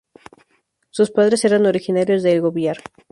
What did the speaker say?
Sus padres eran originarios de Elgoibar.